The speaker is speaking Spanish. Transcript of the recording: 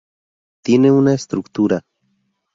Tiene una estructura